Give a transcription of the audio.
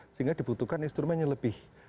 sehingga dibutuhkan instrumen yang lebih